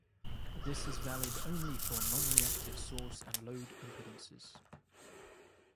This is valid only for non-reactive source and load impedances.